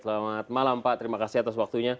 selamat malam pak terima kasih atas waktunya